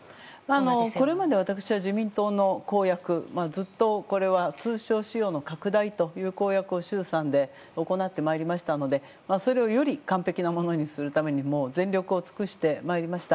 これまで私は、自民党の公約ずっと、これは通称使用の拡大という公約を衆参で行ってまいりましたのでそれをより完璧なものにするためにも全力を尽くしてまいりました。